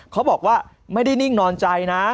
เขาบอกว่าไม่ได้นิ่งนอนใจนะ